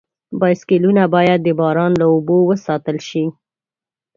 بایسکلونه باید د باران له اوبو وساتل شي.